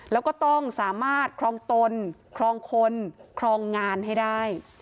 แล้วก็ต้องสามารถครองตนครองคนครองงานให้ได้